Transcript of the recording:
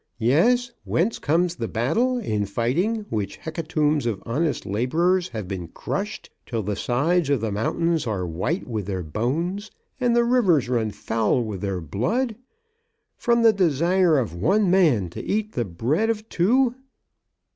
"Yes, whence comes the battle, in fighting which hecatombs of honest labourers have been crushed till the sides of the mountains are white with their bones, and the rivers run foul with their blood? From the desire of one man to eat the bread of two?"